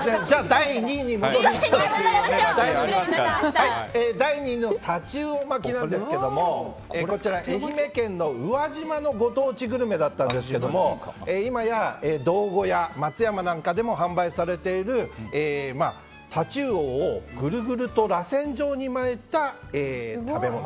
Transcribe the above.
第２位の太刀魚巻なんですがこちら愛媛県の宇和島のご当地グルメだったんですけど今や道後や松山なんかでも販売されている太刀魚をぐるぐると、らせん状に巻いた食べ物。